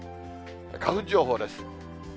花粉情報です。